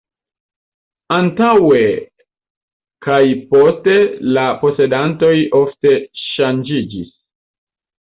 Antaŭe kaj poste la posedantoj ofte ŝanĝiĝis.